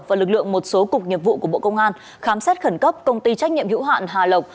và lực lượng một số cục nghiệp vụ của bộ công an khám xét khẩn cấp công ty trách nhiệm hữu hạn hà lộc